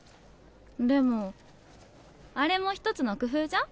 でもあれも一つの工夫じゃん？